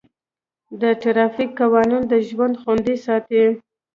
د ټرافیک قوانین د ژوند خوندي ساتي.